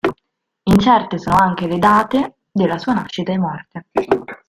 Incerte sono anche le date della sua nascita e morte.